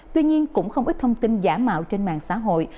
tuy nhiên cũng không ít thông tin giả mạo trên mạng xã hội